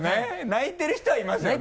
泣いてる人はいますよね。